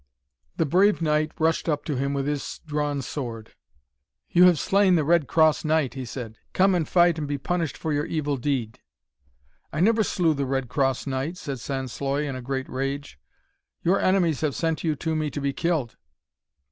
The brave knight rushed up to him with his drawn sword. 'You have slain the Red Cross Knight,' he said; 'come and fight and be punished for your evil deed.' 'I never slew the Red Cross Knight,' said Sansloy, in a great rage. 'Your enemies have sent you to me to be killed.'